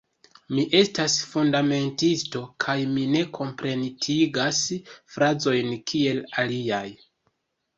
Mi estas fundamentisto kaj mi ne kompletigas frazojn kiel aliaj...